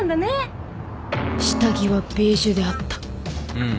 うん。